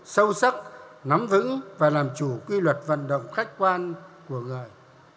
sâu sắc nắm vững và làm chủ quy luật vận động khách quan của người